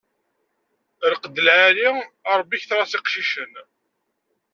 Lqed lɛali, a Ṛebbi ketter-as iqcicen.